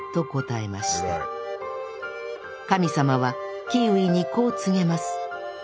神様はキーウィにこう告げます。